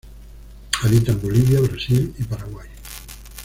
Habita en Bolivia, Brasil y Paraguay.